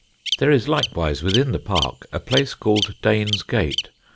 "There is likewise within the park a place called Danes Gate.